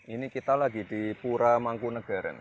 ini kita lagi di pura mangkunagaran